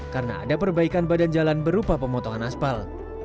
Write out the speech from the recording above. karena ada perbaikan badan jalan berupa pemotongan aspal